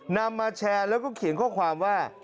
นำมาแชร์แล้วก็เขียนข้อความว่า